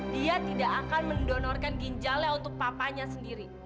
dia tidak akan mendonorkan ginjalnya untuk papanya sendiri